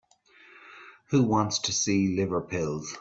Who wants to see liver pills?